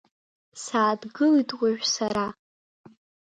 Сааҭгылеит уажә сара.